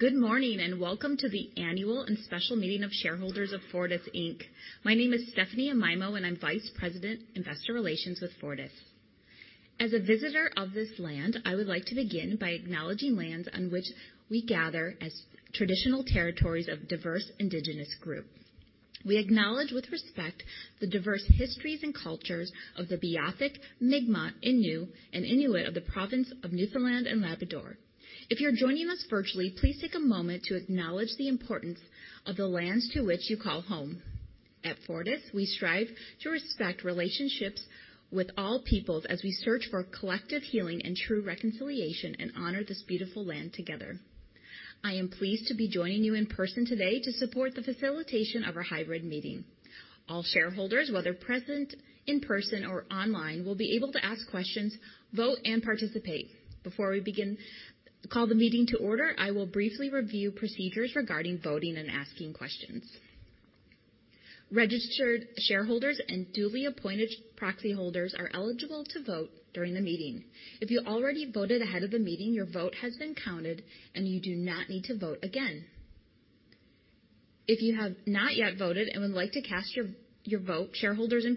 Good morning, and welcome to the annual and special meeting of shareholders of Fortis Inc. My name is Stephanie Amaimo, and I'm Vice President, Investor Relations with Fortis. As a visitor of this land, I would like to begin by acknowledging lands on which we gather as traditional territories of diverse indigenous groups. We acknowledge with respect the diverse histories and cultures of the Beothuk, Mi'kmaq, Innu and Inuit of the province of Newfoundland and Labrador. If you're joining us virtually, please take a moment to acknowledge the importance of the lands to which you call home. At Fortis, we strive to respect relationships with all peoples as we search for collective healing and true reconciliation and honor this beautiful land together. I am pleased to be joining you in person today to support the facilitation of our hybrid meeting. All shareholders, whether present in person or online, will be able to ask questions, vote, and participate. Before we begin, I will call the meeting to order. I will briefly review procedures regarding voting and asking questions. Registered shareholders and duly appointed proxy holders are eligible to vote during the meeting. If you already voted ahead of the meeting, your vote has been counted and you do not need to vote again. If you have not yet voted and would like to cast your vote, shareholders in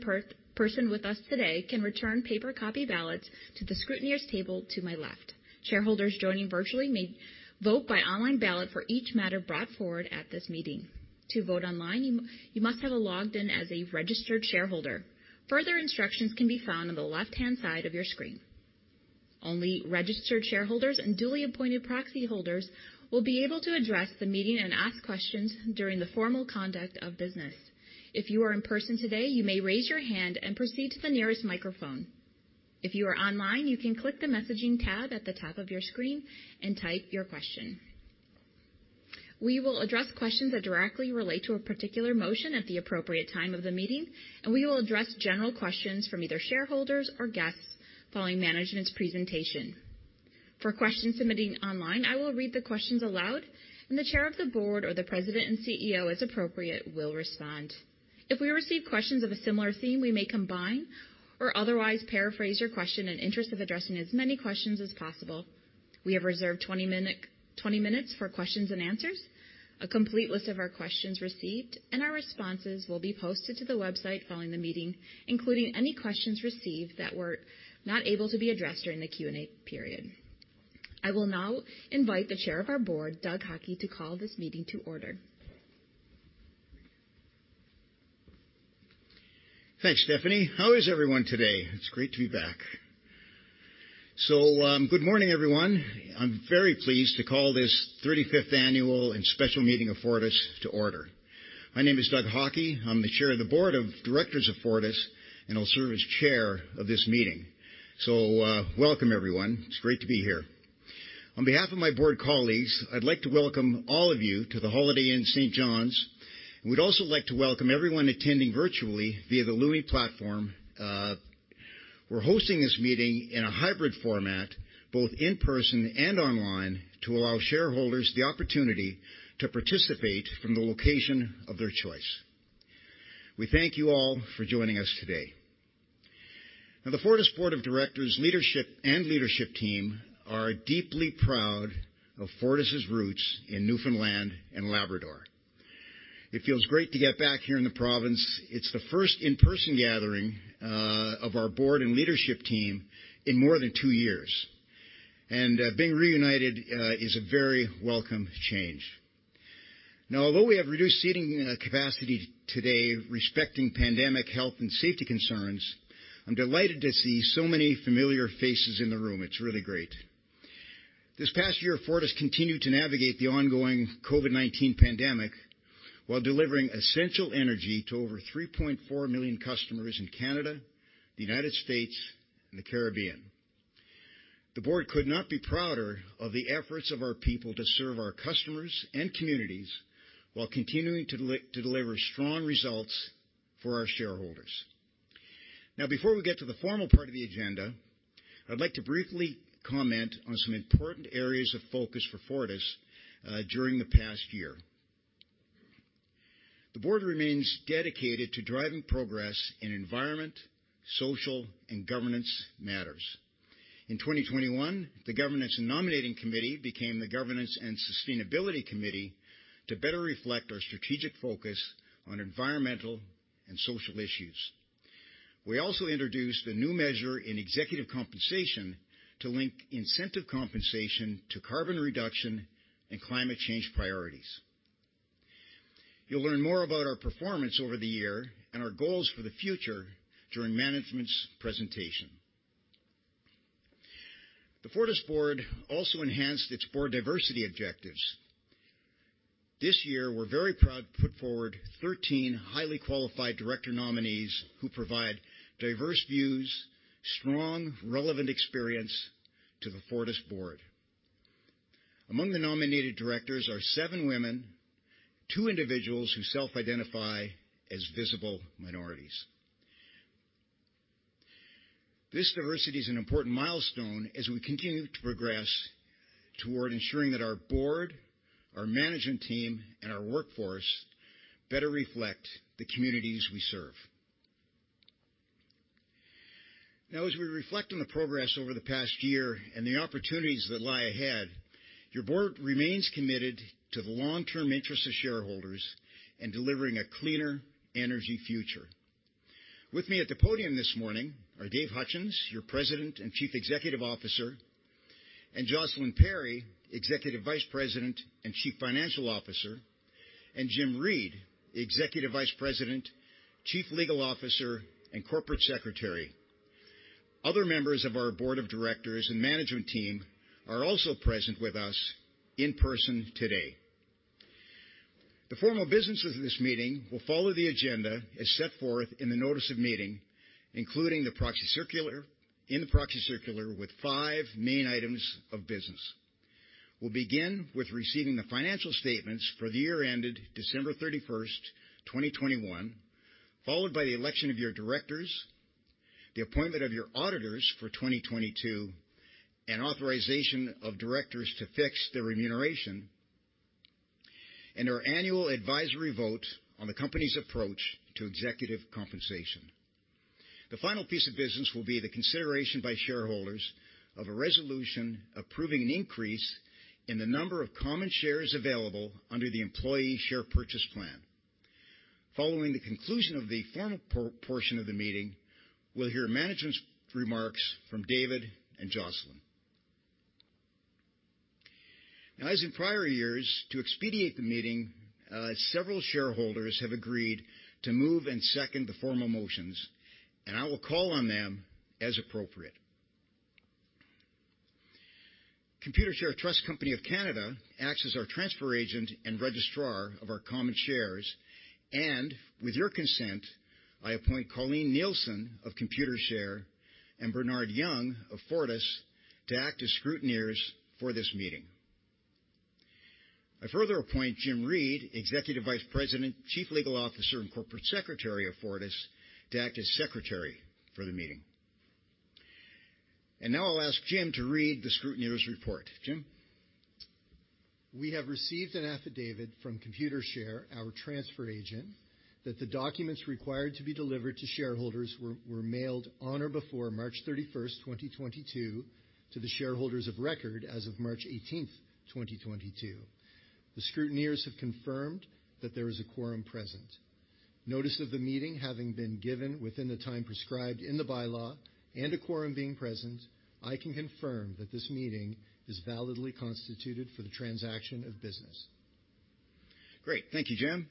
person with us today can return paper copy ballots to the scrutineer's table to my left. Shareholders joining virtually may vote by online ballot for each matter brought forward at this meeting. To vote online, you must have logged in as a registered shareholder. Further instructions can be found on the left-hand side of your screen. Only registered shareholders and duly appointed proxy holders will be able to address the meeting and ask questions during the formal conduct of business. If you are in person today, you may raise your hand and proceed to the nearest microphone. If you are online, you can click the messaging tab at the top of your screen and type your question. We will address questions that directly relate to a particular motion at the appropriate time of the meeting, and we will address general questions from either shareholders or guests following management's presentation. For questions submitting online, I will read the questions aloud, and the chair of the board or the president and CEO as appropriate will respond. If we receive questions of a similar theme, we may combine or otherwise paraphrase your question in interest of addressing as many questions as possible. We have reserved 20 minutes for questions and answers. A complete list of our questions received and our responses will be posted to the website following the meeting, including any questions received that were not able to be addressed during the Q&A period. I will now invite the Chair of our Board, Doug Haughey, to call this meeting to order. Thanks, Stephanie. How is everyone today? It's great to be back. Good morning, everyone. I'm very pleased to call this 35th annual and special meeting of Fortis to order. My name is Doug Haughey. I'm the Chair of the Board of Directors of Fortis, and I'll serve as chair of this meeting. Welcome everyone. It's great to be here. On behalf of my board colleagues, I'd like to welcome all of you to the Holiday Inn St. John's. We'd also like to welcome everyone attending virtually via the Lumi platform. We're hosting this meeting in a hybrid format, both in person and online, to allow shareholders the opportunity to participate from the location of their choice. We thank you all for joining us today. Now, the Fortis Board of Directors leadership and leadership team are deeply proud of Fortis' roots in Newfoundland and Labrador. It feels great to get back here in the province. It's the first in-person gathering of our board and leadership team in more than two years. Being reunited is a very welcome change. Now, although we have reduced seating capacity today, respecting pandemic health and safety concerns, I'm delighted to see so many familiar faces in the room. It's really great. This past year, Fortis continued to navigate the ongoing COVID-19 pandemic while delivering essential energy to over 3.4 million customers in Canada, the United States, and the Caribbean. The board could not be prouder of the efforts of our people to serve our customers and communities while continuing to deliver strong results for our shareholders. Now, before we get to the formal part of the agenda, I'd like to briefly comment on some important areas of focus for Fortis during the past year. The board remains dedicated to driving progress in environment, social, and governance matters. In 2021, the Governance and Nominating Committee became the Governance and Sustainability Committee to better reflect our strategic focus on environmental and social issues. We also introduced a new measure in executive compensation to link incentive compensation to carbon reduction and climate change priorities. You'll learn more about our performance over the year and our goals for the future during management's presentation. The Fortis board also enhanced its board diversity objectives. This year, we're very proud to put forward 13 highly qualified director nominees who provide diverse views, strong, relevant experience to the Fortis board. Among the nominated directors are seven women, two individuals who self-identify as visible minorities. This diversity is an important milestone as we continue to progress toward ensuring that our board, our management team, and our workforce better reflect the communities we serve. Now as we reflect on the progress over the past year and the opportunities that lie ahead, your board remains committed to the long-term interests of shareholders and delivering a cleaner energy future. With me at the podium this morning are Dave Hutchens, your President and Chief Executive Officer, and Jocelyn Perry, Executive Vice President and Chief Financial Officer, and Jim Reid, Executive Vice President, Chief Legal Officer, and Corporate Secretary. Other members of our board of directors and management team are also present with us in person today. The formal business of this meeting will follow the agenda as set forth in the notice of meeting, including the proxy circular with five main items of business. We'll begin with receiving the financial statements for the year ended December 31, 2021, followed by the election of your directors, the appointment of your auditors for 2022, and authorization of directors to fix their remuneration, and our annual advisory vote on the company's approach to executive compensation. The final piece of business will be the consideration by shareholders of a resolution approving an increase in the number of common shares available under the employee share purchase plan. Following the conclusion of the formal portion of the meeting, we'll hear management's remarks from David and Jocelyn. Now, as in prior years, to expedite the meeting, several shareholders have agreed to move and second the formal motions, and I will call on them as appropriate. Computershare Trust Company of Canada acts as our transfer agent and registrar of our common shares, and with your consent, I appoint Colleen Nielsen of Computershare and Bernard Young of Fortis to act as scrutineers for this meeting. I further appoint Jim Reid, Executive Vice President, Chief Legal Officer, and Corporate Secretary of Fortis to act as secretary for the meeting. Now I'll ask Jim to read the scrutineer's report. Jim? We have received an affidavit from Computershare, our transfer agent, that the documents required to be delivered to shareholders were mailed on or before March 31st, 2022 to the shareholders of record as of March 18th, 2022. The scrutineers have confirmed that there is a quorum present. Notice of the meeting having been given within the time prescribed in the bylaw and a quorum being present, I can confirm that this meeting is validly constituted for the transaction of business. Great. Thank you, Jim.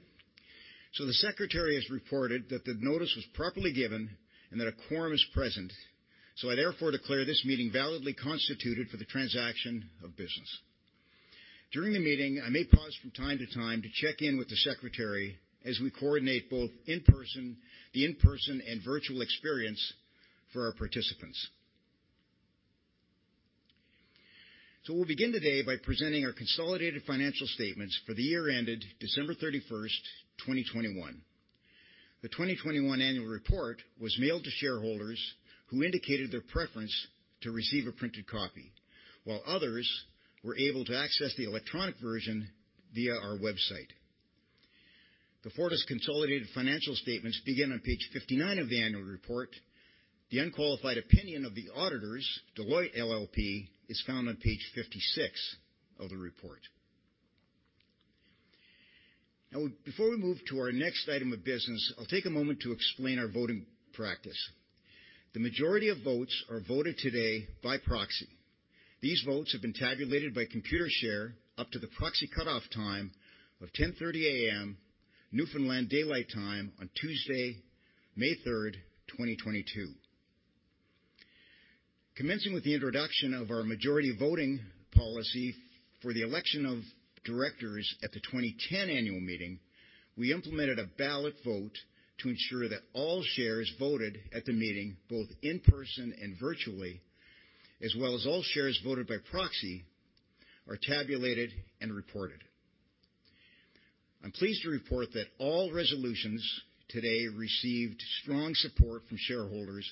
The secretary has reported that the notice was properly given and that a quorum is present, so I therefore declare this meeting validly constituted for the transaction of business. During the meeting, I may pause from time to time to check in with the secretary as we coordinate both in-person, the in-person and virtual experience for our participants. We'll begin today by presenting our consolidated financial statements for the year ended December 31, 2021. The 2021 annual report was mailed to shareholders who indicated their preference to receive a printed copy, while others were able to access the electronic version via our website. The Fortis consolidated financial statements begin on page 59 of the annual report. The unqualified opinion of the auditors, Deloitte LLP, is found on page 56 of the report. Now, before we move to our next item of business, I'll take a moment to explain our voting practice. The majority of votes are voted today by proxy. These votes have been tabulated by Computershare up to the proxy cutoff time of 10:30 A.M. Newfoundland Daylight Time on Tuesday, May 3, 2022. Commencing with the introduction of our majority voting policy for the election of directors at the 2010 annual meeting, we implemented a ballot vote to ensure that all shares voted at the meeting, both in person and virtually, as well as all shares voted by proxy, are tabulated and reported. I'm pleased to report that all resolutions today received strong support from shareholders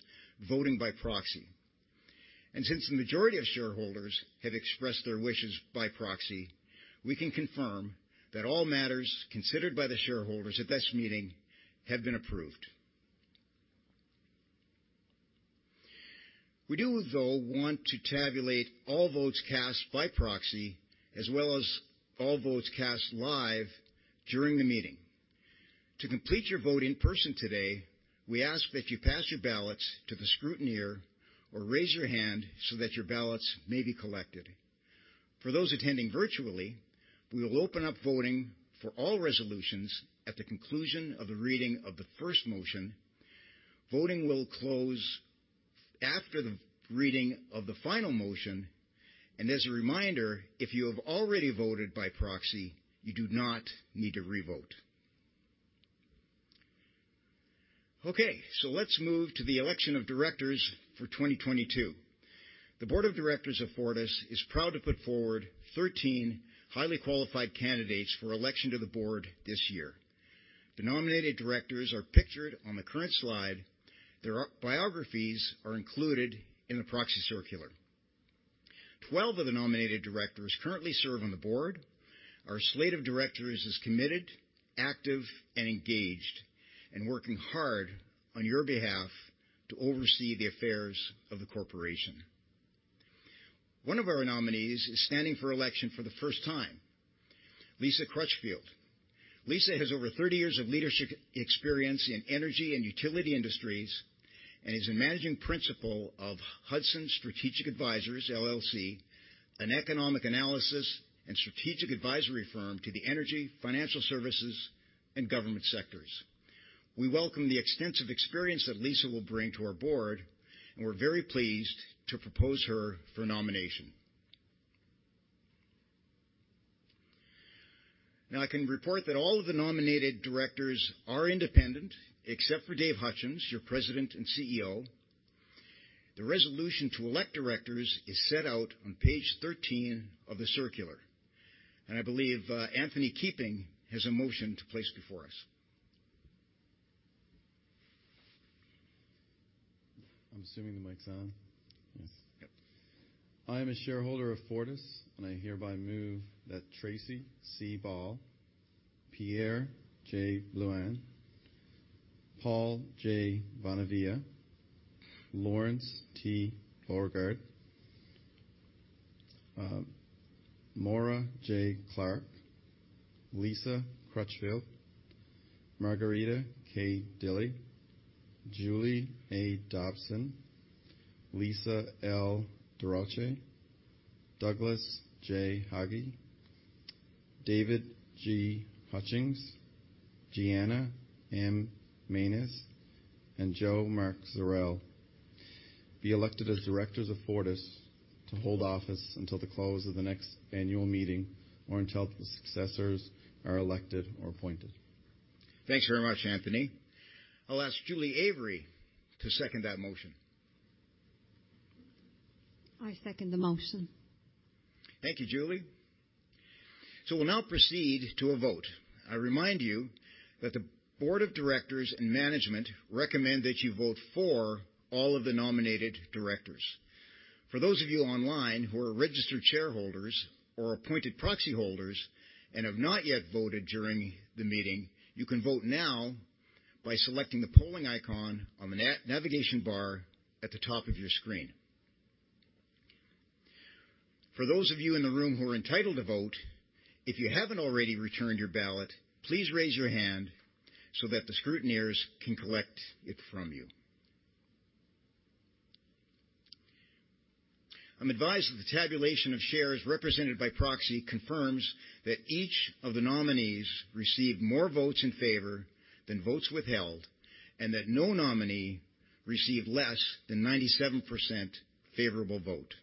voting by proxy. Since the majority of shareholders have expressed their wishes by proxy, we can confirm that all matters considered by the shareholders at this meeting have been approved. We do, though, want to tabulate all votes cast by proxy as well as all votes cast live during the meeting. To complete your vote in person today, we ask that you pass your ballots to the scrutineer or raise your hand so that your ballots may be collected. For those attending virtually, we will open up voting for all resolutions at the conclusion of the reading of the first motion. Voting will close after the reading of the final motion, and as a reminder, if you have already voted by proxy, you do not need to revote. Okay, let's move to the election of directors for 2022. The board of directors of Fortis is proud to put forward 13 highly qualified candidates for election to the board this year. The nominated directors are pictured on the current slide. Their biographies are included in the proxy circular. 12 of the nominated directors currently serve on the board. Our slate of directors is committed, active, and engaged, and working hard on your behalf to oversee the affairs of the corporation. One of our nominees is standing for election for the first time, Lisa Crutchfield. Lisa has over 30 years of leadership experience in energy and utility industries and is a managing principal of Hudson Strategic Advisors LLC, an economic analysis and strategic advisory firm to the energy, financial services, and government sectors. We welcome the extensive experience that Lisa will bring to our board, and we're very pleased to propose her for nomination. Now I can report that all of the nominated directors are independent, except for Dave Hutchens, your President and CEO. The resolution to elect directors is set out on page 13 of the circular. I believe Anthony Keeping has a motion to place before us. I'm assuming the mic's on. Yes. Yep. I am a shareholder of Fortis, and I hereby move that Tracey C. Ball, Pierre J. Blouin, Paul J. Bonavia, Lawrence T. Borgard, Maura J. Clark, Lisa Crutchfield, Margarita K. Dilley, Julie A. Dobson, Lisa L. Durocher, Douglas J. Haughey, David G. Hutchens, Gianna M. Manes, and Jo Mark Zurel be elected as directors of Fortis to hold office until the close of the next annual meeting or until the successors are elected or appointed. Thanks very much, Anthony. I'll ask Julie Avery to second that motion. I second the motion. Thank you, Julie. We'll now proceed to a vote. I remind you that the board of directors and management recommend that you vote for all of the nominated directors. For those of you online who are registered shareholders or appointed proxy holders and have not yet voted during the meeting, you can vote now by selecting the polling icon on the navigation bar at the top of your screen. For those of you in the room who are entitled to vote, if you haven't already returned your ballot, please raise your hand so that the scrutineers can collect it from you. I'm advised that the tabulation of shares represented by proxy confirms that each of the nominees received more votes in favor than votes withheld, and that no nominee received less than 97% favorable vote.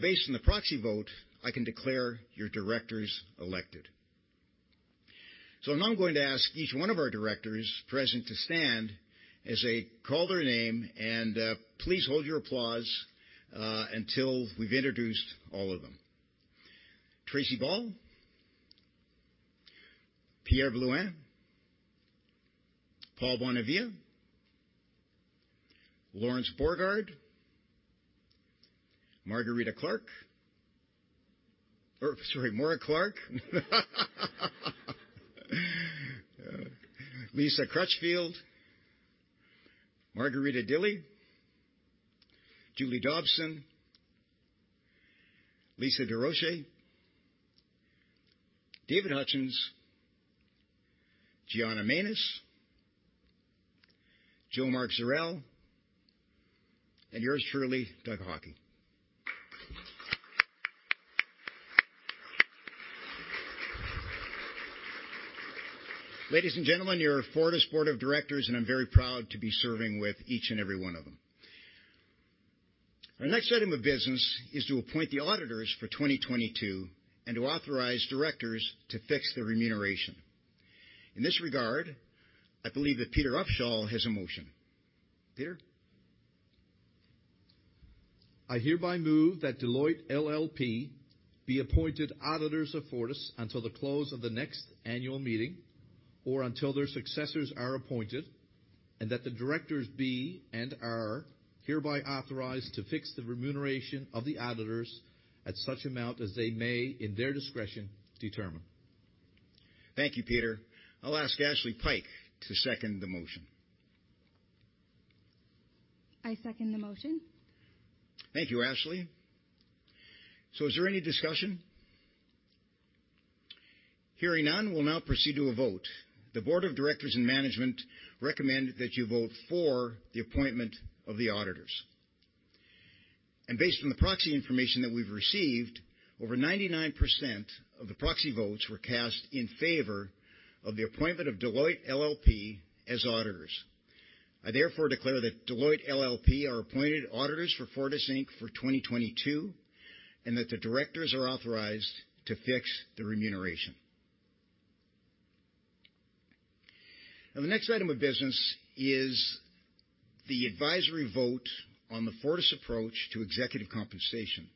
Based on the proxy vote, I can declare your directors elected. Now I'm going to ask each one of our directors present to stand as I call their name and, please hold your applause, until we've introduced all of them. Tracey Ball, Pierre Blouin, Paul Bonavia, Lawrence Borgard, Maura Clark. Or sorry, Maura Clark. Lisa Crutchfield, Margarita Dilley, Julie Dobson, Lisa Durocher, David G. Hutchens, Gianna Manes, Jo Marc Zurel, and yours truly, Doug Haughey. Ladies and gentlemen, your Fortis board of directors, and I'm very proud to be serving with each and every one of them. Our next item of business is to appoint the auditors for 2022 and to authorize directors to fix their remuneration. In this regard, I believe that Peter Upshall has a motion. Peter? I hereby move that Deloitte LLP be appointed auditors of Fortis until the close of the next annual meeting or until their successors are appointed, and that the directors be and are hereby authorized to fix the remuneration of the auditors at such amount as they may, in their discretion, determine. Thank you, Peter. I'll ask Ashley Pike to second the motion. I second the motion. Thank you, Ashley. So is there any discussion? Hearing none, we'll now proceed to a vote. The board of directors and management recommend that you vote for the appointment of the auditors. Based on the proxy information that we've received, over 99% of the proxy votes were cast in favor of the appointment of Deloitte LLP as auditors. I therefore declare that Deloitte LLP are appointed auditors for Fortis Inc. for 2022 and that the directors are authorized to fix the remuneration. Now the next item of business is the advisory vote on the Fortis approach to executive compensation.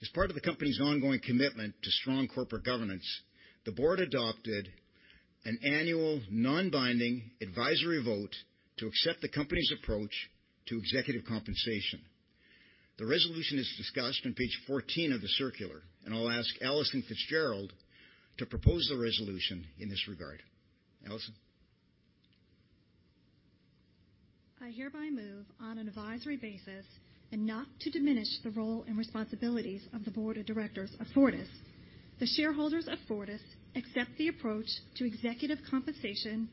As part of the company's ongoing commitment to strong corporate governance, the board adopted an annual non-binding advisory vote to accept the company's approach to executive compensation. The resolution is discussed on page 14 of the circular, and I'll ask Alison Fitzgerald to propose the resolution in this regard. Alison? I hereby move on an advisory basis and not to diminish the role and responsibilities of the board of directors of Fortis. The shareholders of Fortis accept the approach to executive compensation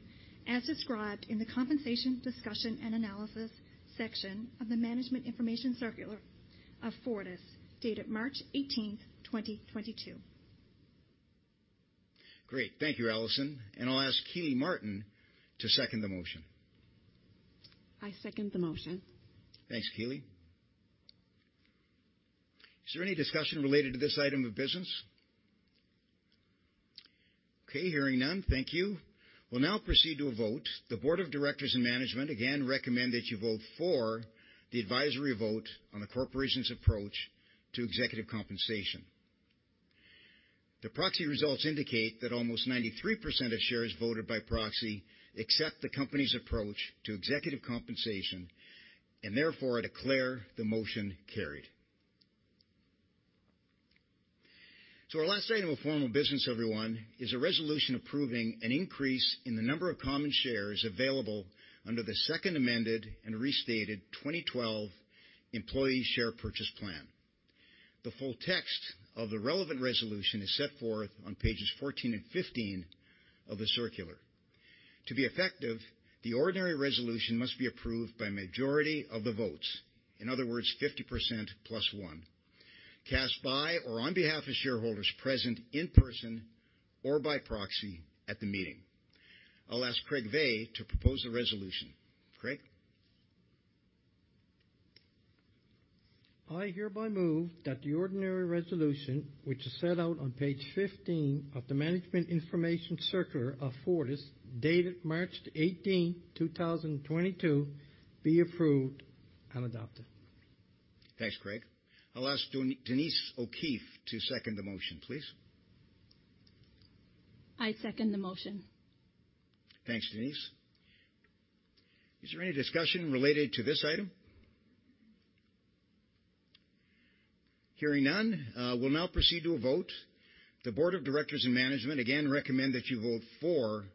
as described in the compensation discussion and analysis section of the Management Information Circular of Fortis, dated March eighteenth, 2022. Great. Thank you, Alison. I'll ask Kealey Martin to second the motion. I second the motion. Thanks, Kealey. Is there any discussion related to this item of business? Okay, hearing none. Thank you. We'll now proceed to a vote. The board of directors and management again recommend that you vote for the advisory vote on the corporation's approach to executive compensation. The proxy results indicate that almost 93% of shares voted by proxy accept the company's approach to executive compensation and therefore I declare the motion carried. Our last item of formal business, everyone, is a resolution approving an increase in the number of common shares available under the second amended and restated 2012 employee share purchase plan. The full text of the relevant resolution is set forth on pages 14 and 15 of the circular. To be effective, the ordinary resolution must be approved by a majority of the votes, in other words, 50% +1, cast by or on behalf of shareholders present in person or by proxy at the meeting. I'll ask Craig Vey to propose the resolution. Craig? I hereby move that the ordinary resolution, which is set out on page 15 of the Management Information Circular of Fortis, dated March 18, 2022, be approved and adopted. Thanks, Craig. I'll ask Denise O'Keefe to second the motion, please. I second the motion. Thanks, Denise. Is there any discussion related to this item? Hearing none, we'll now proceed to a vote. The board of directors and management again recommend that you vote for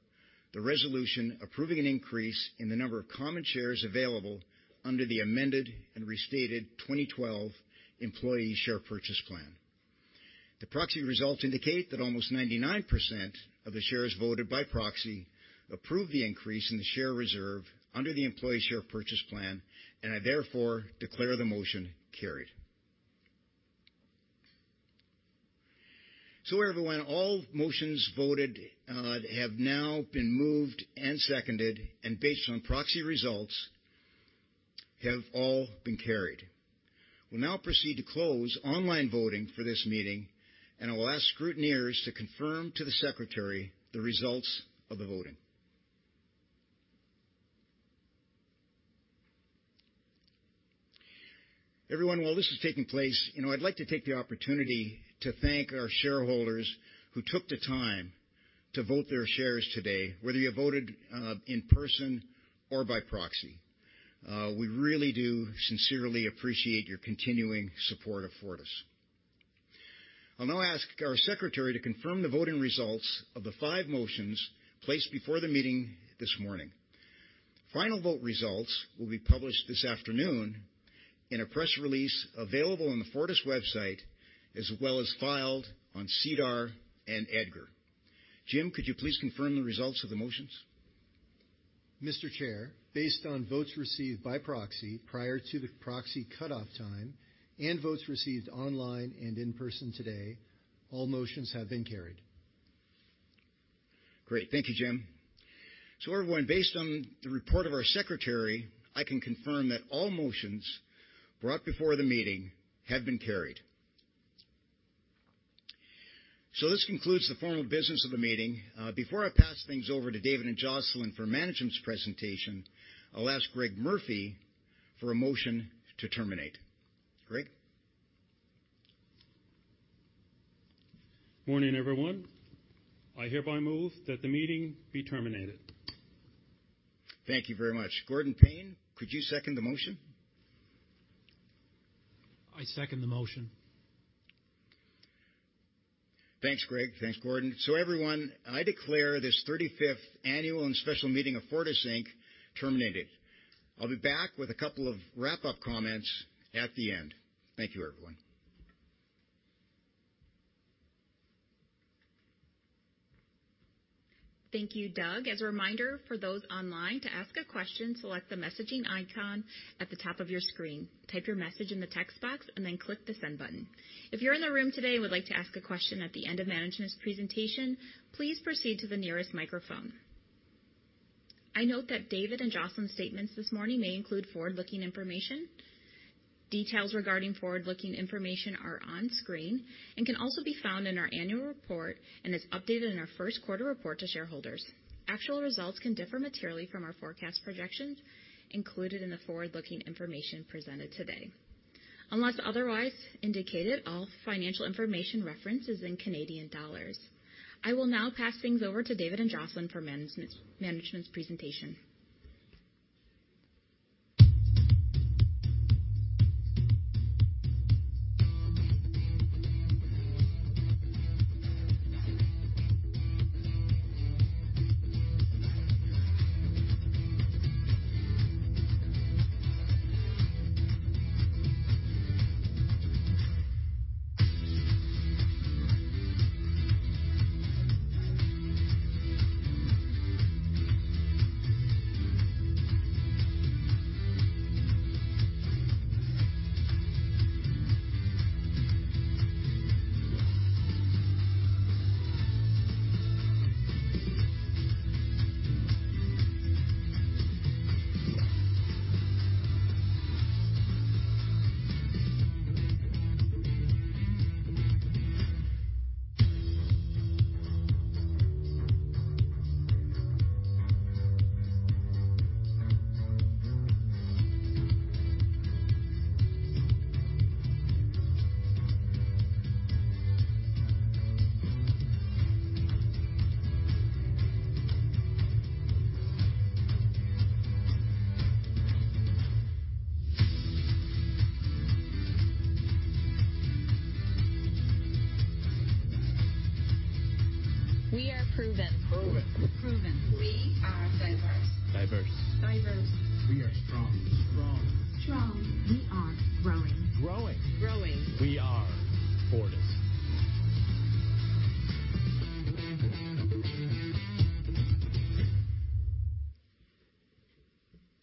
the resolution approving an increase in the number of common shares available under the amended and restated 2012 employee share purchase plan. The proxy results indicate that almost 99% of the shares voted by proxy approved the increase in the share reserve under the employee share purchase plan, and I therefore declare the motion carried. Everyone, all motions voted have now been moved and seconded and based on proxy results, have all been carried. We'll now proceed to close online voting for this meeting, and I will ask scrutineers to confirm to the secretary the results of the voting. Everyone, while this is taking place, you know, I'd like to take the opportunity to thank our shareholders who took the time to vote their shares today, whether you voted in person or by proxy. We really do sincerely appreciate your continuing support of Fortis. I'll now ask our secretary to confirm the voting results of the five motions placed before the meeting this morning. Final vote results will be published this afternoon in a press release available on the Fortis website as well as filed on SEDAR and EDGAR. Jim, could you please confirm the results of the motions? Mr. Chair, based on votes received by proxy prior to the proxy cutoff time and votes received online and in person today, all motions have been carried. Great. Thank you, Jim. Everyone, based on the report of our secretary, I can confirm that all motions brought before the meeting have been carried. This concludes the formal business of the meeting. Before I pass things over to David and Jocelyn for management's presentation, I'll ask Greg Murphy for a motion to terminate. Greg? Morning, everyone. I hereby move that the meeting be terminated. Thank you very much. Gordon Payne, could you second the motion? I second the motion. Thanks, Greg. Thanks, Gordon. Everyone, I declare this thirty-fifth annual and special meeting of Fortis Inc. terminated. I'll be back with a couple of wrap-up comments at the end. Thank you, everyone. Thank you, Doug. As a reminder for those online, to ask a question, select the messaging icon at the top of your screen. Type your message in the text box, and then click the Send button. If you're in the room today and would like to ask a question at the end of management's presentation, please proceed to the nearest microphone. I note that David and Jocelyn's statements this morning may include forward-looking information. Details regarding forward-looking information are on screen and can also be found in our annual report and is updated in our first quarter report to shareholders. Actual results can differ materially from our forecast projections included in the forward-looking information presented today. Unless otherwise indicated, all financial information referenced is in Canadian dollars. I will now pass things over to David and Jocelyn for management's presentation. We are proven. Proven. Proven. We are diverse. Diverse. Diverse. We are strong. Strong. Strong. We are growing. Growing. Growing. We are Fortis.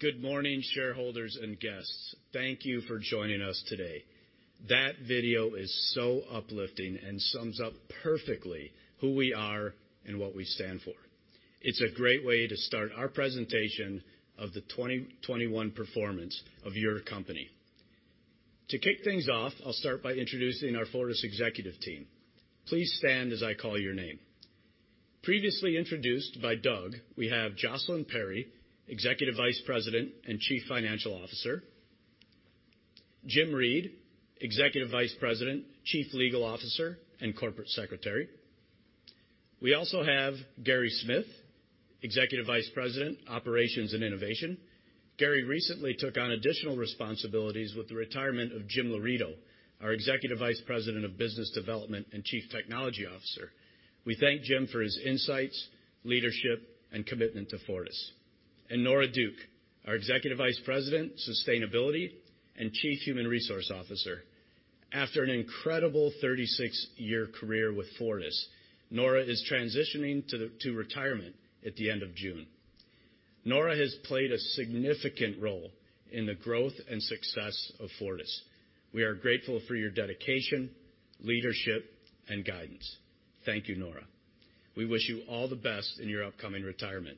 Good morning, shareholders and guests. Thank you for joining us today. That video is so uplifting and sums up perfectly who we are and what we stand for. It's a great way to start our presentation of the 2021 performance of your company. To kick things off, I'll start by introducing our Fortis executive team. Please stand as I call your name. Previously introduced by Doug, we have Jocelyn Perry, Executive Vice President and Chief Financial Officer. Jim Reid, Executive Vice President, Chief Legal Officer, and Corporate Secretary. We also have Gary Smith, Executive Vice President, Operations and Innovation. Gary recently took on additional responsibilities with the retirement of Jim Laurito, our Executive Vice President of Business Development and Chief Technology Officer. We thank Jim for his insights, leadership, and commitment to Fortis. Nora Duke, our Executive Vice President, Sustainability and Chief Human Resource Officer. After an incredible 36-year career with Fortis, Nora is transitioning to retirement at the end of June. Nora has played a significant role in the growth and success of Fortis. We are grateful for your dedication, leadership, and guidance. Thank you, Nora. We wish you all the best in your upcoming retirement.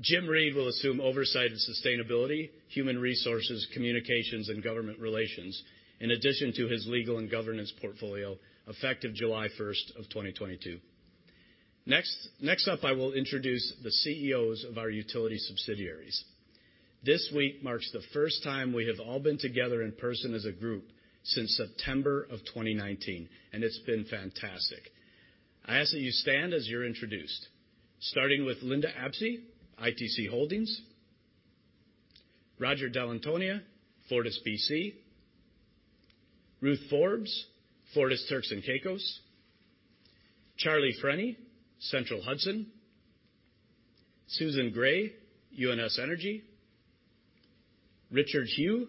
Jim Reid will assume oversight of sustainability, human resources, communications, and government relations, in addition to his legal and governance portfolio, effective July 1, 2022. Next up, I will introduce the CEOs of our utility subsidiaries. This week marks the first time we have all been together in person as a group since September 2019, and it's been fantastic. I ask that you stand as you're introduced, starting with Linda Apsey, ITC Holdings. Roger Dall'Antonia, FortisBC. Ruth Forbes, Fortis Turks and Caicos. Charles Freni, Central Hudson. Susan Gray, UNS Energy. Richard Hew,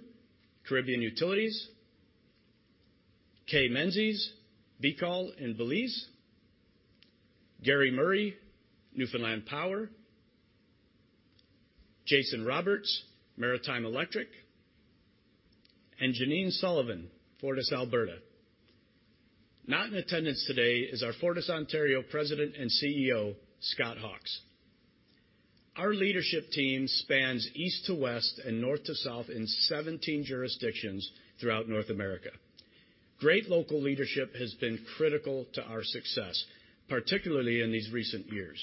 Caribbean Utilities. Kay Menzies, BECOL in Belize. Gary Murray, Newfoundland Power. Jason Roberts, Maritime Electric. Janine Sullivan, FortisAlberta. Not in attendance today is our FortisOntario president and CEO, Scott Hawkes. Our leadership team spans east to west and north to south in 17 jurisdictions throughout North America. Great local leadership has been critical to our success, particularly in these recent years.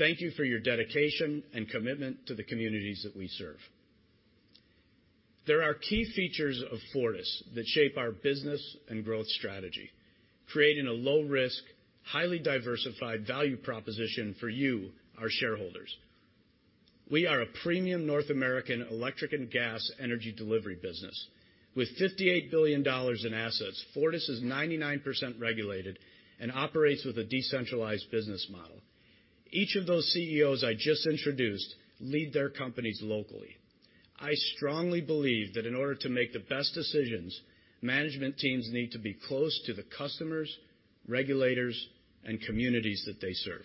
Thank you for your dedication and commitment to the communities that we serve. There are key features of Fortis that shape our business and growth strategy, creating a low-risk, highly diversified value proposition for you, our shareholders. We are a premium North American electric and gas energy delivery business. With 58 billion dollars in assets, Fortis is 99% regulated and operates with a decentralized business model. Each of those CEOs I just introduced lead their companies locally. I strongly believe that in order to make the best decisions, management teams need to be close to the customers, regulators, and communities that they serve.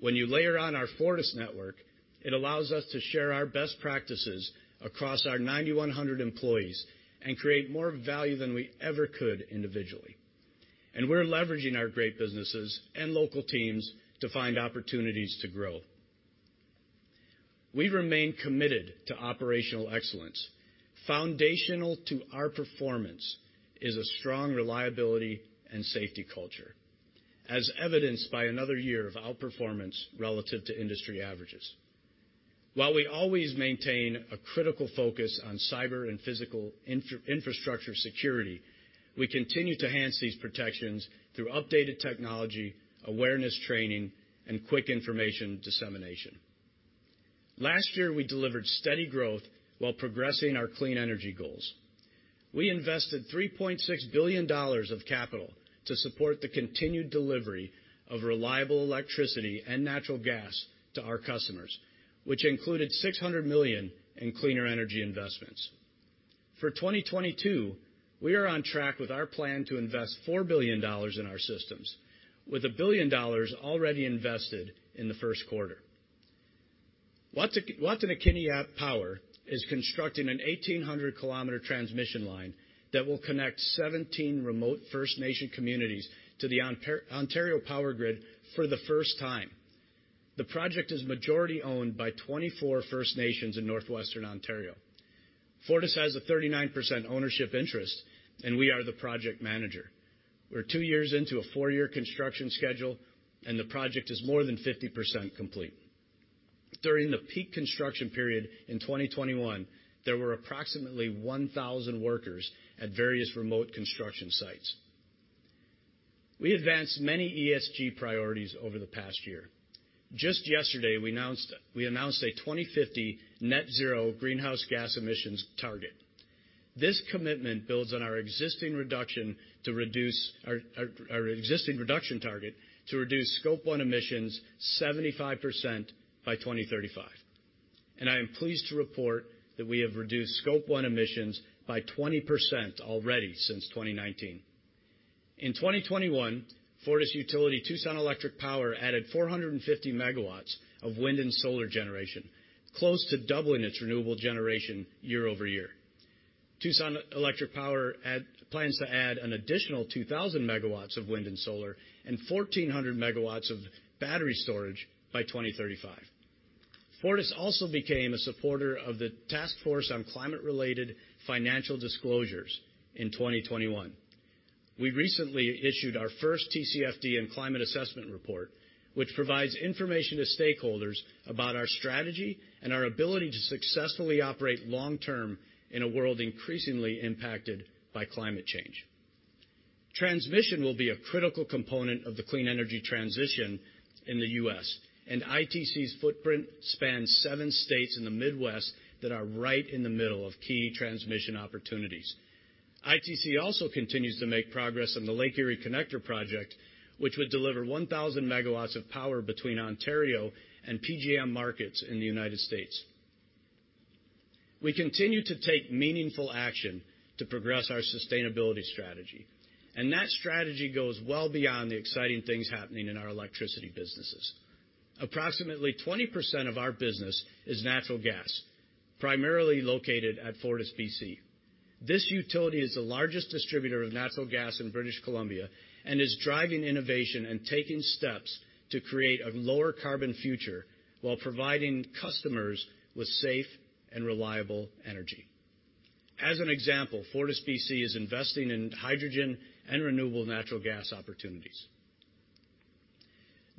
When you layer on our Fortis network, it allows us to share our best practices across our 9,100 employees and create more value than we ever could individually. We're leveraging our great businesses and local teams to find opportunities to grow. We remain committed to operational excellence. Foundational to our performance is a strong reliability and safety culture, as evidenced by another year of outperformance relative to industry averages. While we always maintain a critical focus on cyber and physical infrastructure security, we continue to enhance these protections through updated technology, awareness training, and quick information dissemination. Last year, we delivered steady growth while progressing our clean energy goals. We invested 3.6 billion dollars of capital to support the continued delivery of reliable electricity and natural gas to our customers, which included 600 million in cleaner energy investments. For 2022, we are on track with our plan to invest 4 billion dollars in our systems, with 1 billion dollars already invested in the first quarter. Wataynikaneyap Power is constructing an 1,800 km transmission line that will connect 17 remote First Nations communities to the Ontario power grid for the first time. The project is majority-owned by 24 First Nations in Northwestern Ontario. Fortis has a 39% ownership interest, and we are the project manager. We're 2 years into a 4-year construction schedule, and the project is more than 50% complete. During the peak construction period in 2021, there were approximately 1,000 workers at various remote construction sites. We advanced many ESG priorities over the past year. Just yesterday, we announced a 2050 net zero greenhouse gas emissions target. This commitment builds on our existing reduction target to reduce Scope 1 emissions 75% by 2035. I am pleased to report that we have reduced Scope 1 emissions by 20% already since 2019. In 2021, Tucson Electric Power added 450 MW of wind and solar generation, close to doubling its renewable generation year-over-year. Tucson Electric Power plans to add an additional 2,000 MW of wind and solar and 1,400 MW of battery storage by 2035. Fortis also became a supporter of the Task Force on Climate-Related Financial Disclosures in 2021. We recently issued our first TCFD and climate assessment report, which provides information to stakeholders about our strategy and our ability to successfully operate long-term in a world increasingly impacted by climate change. Transmission will be a critical component of the clean energy transition in the U.S., and ITC's footprint spans seven states in the Midwest that are right in the middle of key transmission opportunities. ITC also continues to make progress on the Lake Erie Connector project, which would deliver 1,000 megawatts of power between Ontario and PJM markets in the United States. We continue to take meaningful action to progress our sustainability strategy, and that strategy goes well beyond the exciting things happening in our electricity businesses. Approximately 20% of our business is natural gas, primarily located at FortisBC. This utility is the largest distributor of natural gas in British Columbia and is driving innovation and taking steps to create a lower carbon future while providing customers with safe and reliable energy. As an example, FortisBC is investing in hydrogen and renewable natural gas opportunities.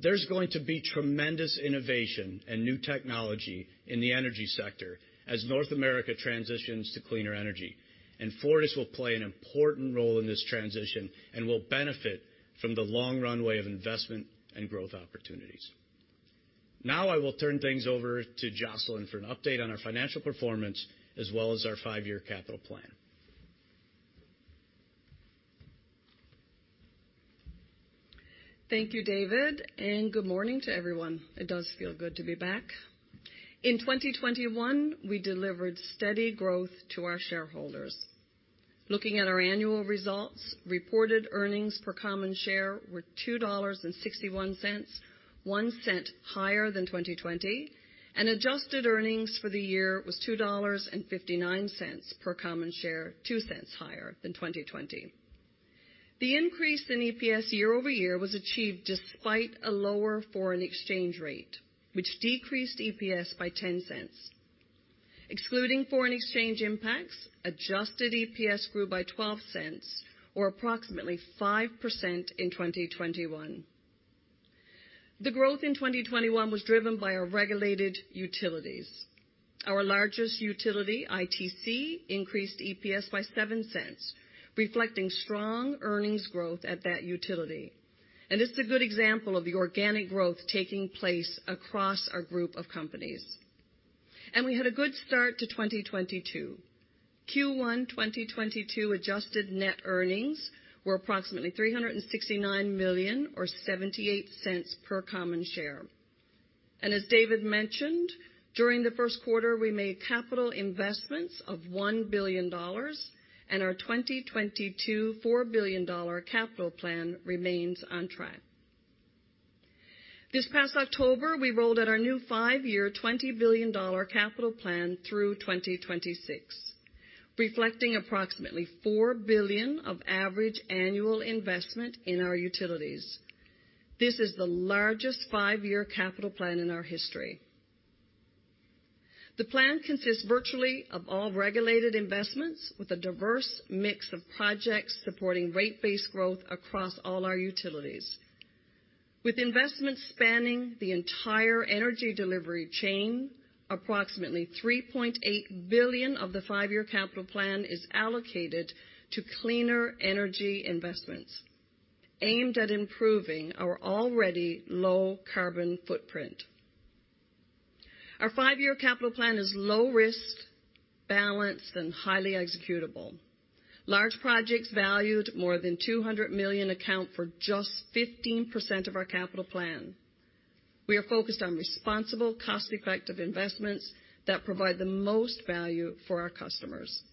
There's going to be tremendous innovation and new technology in the energy sector as North America transitions to cleaner energy, and Fortis will play an important role in this transition and will benefit from the long runway of investment and growth opportunities. Now I will turn things over to Jocelyn for an update on our financial performance as well as our five-year capital plan. Thank you, David, and good morning to everyone. It does feel good to be back. In 2021, we delivered steady growth to our shareholders. Looking at our annual results, reported earnings per common share were 2.61 dollars, 0.01 higher than 2020, and adjusted earnings for the year was 2.59 dollars per common share, 0.02 higher than 2020. The increase in EPS year-over-year was achieved despite a lower foreign exchange rate, which decreased EPS by 0.10. Excluding foreign exchange impacts, adjusted EPS grew by 0.12 or approximately 5% in 2021. The growth in 2021 was driven by our regulated utilities. Our largest utility, ITC, increased EPS by 0.07, reflecting strong earnings growth at that utility. This is a good example of the organic growth taking place across our group of companies. We had a good start to 2022. Q1 2022 adjusted net earnings were approximately 369 million or 78 cents per common share. As David mentioned, during the first quarter, we made capital investments of 1 billion dollars and our 2022 4 billion dollar capital plan remains on track. This past October, we rolled out our new five-year CAD 20 billion capital plan through 2026. Reflecting approximately 4 billion of average annual investment in our utilities. This is the largest five-year capital plan in our history. The plan consists virtually of all regulated investments with a diverse mix of projects supporting rate-based growth across all our utilities. With investments spanning the entire energy delivery chain, approximately 3.8 billion of the five-year capital plan is allocated to cleaner energy investments aimed at improving our already low carbon footprint. Our five-year capital plan is low risk, balanced, and highly executable. Large projects valued more than 200 million account for just 15% of our capital plan. We are focused on responsible, cost-effective investments that provide the most value for our customers.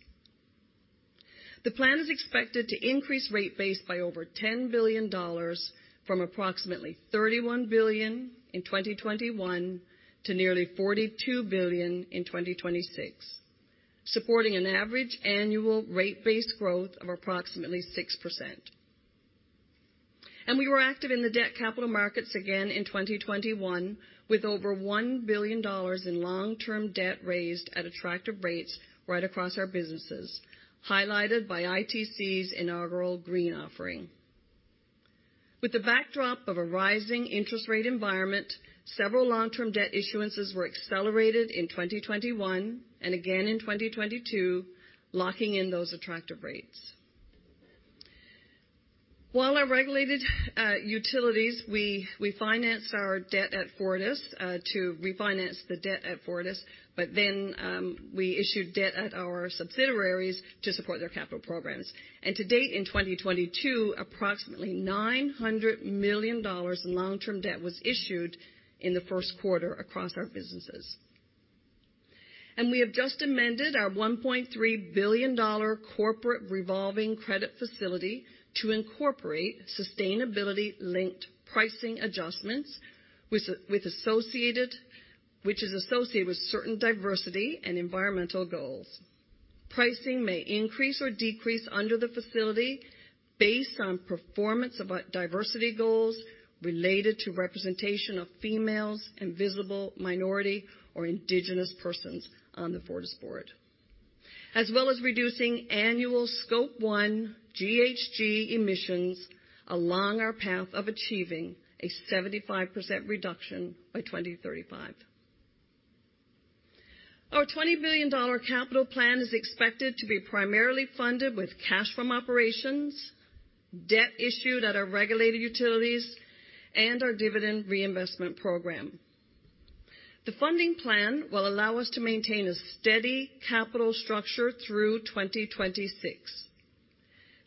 The plan is expected to increase rate base by over 10 billion dollars from approximately 31 billion in 2021 to nearly 42 billion in 2026, supporting an average annual rate base growth of approximately 6%. We were active in the debt capital markets again in 2021 with over 1 billion dollars in long-term debt raised at attractive rates right across our businesses, highlighted by ITC's inaugural green offering. With the backdrop of a rising interest rate environment, several long-term debt issuances were accelerated in 2021 and again in 2022, locking in those attractive rates. While our regulated utilities, we finance our debt at Fortis to refinance the debt at Fortis, but then we issued debt at our subsidiaries to support their capital programs. To date, in 2022, approximately 900 million dollars in long-term debt was issued in the first quarter across our businesses. We have just amended our 1.3 billion dollar corporate revolving credit facility to incorporate sustainability-linked pricing adjustments with associated, which is associated with certain diversity and environmental goals. Pricing may increase or decrease under the facility based on performance about diversity goals related to representation of females and visible minority or indigenous persons on the Fortis board, as well as reducing annual Scope 1 GHG emissions along our path of achieving a 75% reduction by 2035. Our 20 billion dollar capital plan is expected to be primarily funded with cash from operations, debt issued at our regulated utilities, and our dividend reinvestment program. The funding plan will allow us to maintain a steady capital structure through 2026.